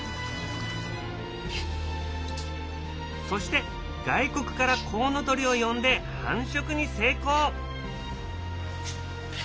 そして外国からコウノトリを呼んで繁殖に成功。